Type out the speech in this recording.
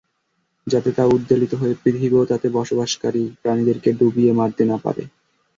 যাতে তা উদ্বেলিত হয়ে পৃথিবী ও তাতে বসবাসকারী প্রাণীদেরকে ডুবিয়ে মারতে না পারে।